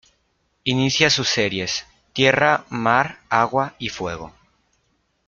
Inicia sus series "Tierra, Mar, Agua y Fuego".